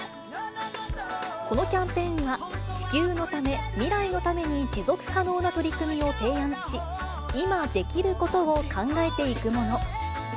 このキャンペーンは、地球のため、未来のために持続可能な取り組みを提案し、今できることを考えていくもの。